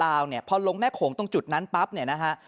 เนี่ยพอลงแม่โขงตรงจุดนั้นปั๊บเนี่ยนะฮะ